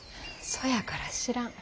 そやから知らん。